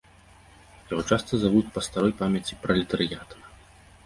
Яго часта завуць па старой памяці пралетарыятам.